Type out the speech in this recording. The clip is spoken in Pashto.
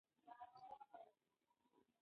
هغه د واک لپاره له تيارۍ تېر شوی و.